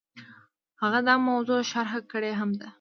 هغه دا موضوع شرح کړې هم ده.